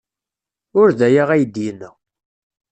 Ur d aya ay d-yenna.